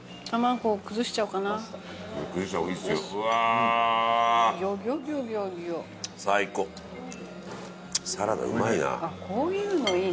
こういうのいいな。